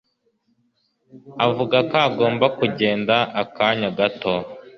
Avuga ko agomba kugenda akanya gato